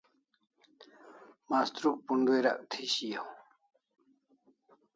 Mastruk pundu'irak thi shiau